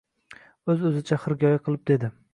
Oʻz-oʻzicha xirgoyi qilib dedi.